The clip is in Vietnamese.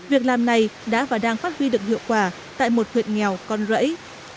việc làm này đã và đang phát huy được hiệu quả tại một huyện nghèo con rẫy